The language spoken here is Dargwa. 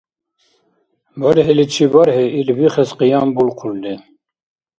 БархӀиличи-бархӀи ил бихес къиянбулхъулри.